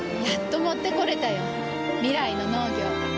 やっと持ってこれたよ。未来の農業。